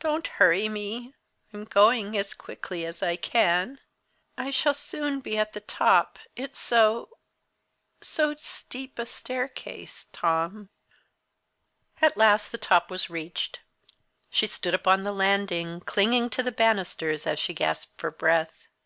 "Don't hurry me! I'm going as quickly as I can. I shall soon be at the top! It's so so steep a staircase Tom." At last the top was reached. She stood upon the landing, clinging to the banisters as she gasped for breath.